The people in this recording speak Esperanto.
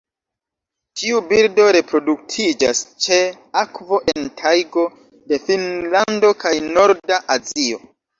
Tiu birdo reproduktiĝas ĉe akvo en tajgo de Finnlando kaj norda Azio.